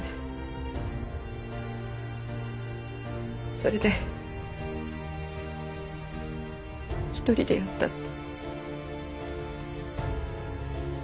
それで１人でやったって。